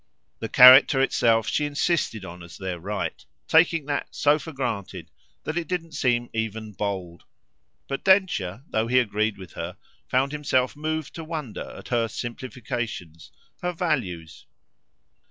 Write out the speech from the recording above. The character itself she insisted on as their right, taking that so for granted that it didn't seem even bold; but Densher, though he agreed with her, found himself moved to wonder at her simplifications, her values.